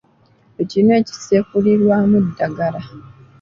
Ekinu ekisekulirwamu eddagala.